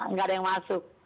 nggak ada yang masuk